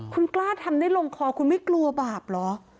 คุณกล้าทำได้ลงคอคุณไม่กลัวบาปเหรอ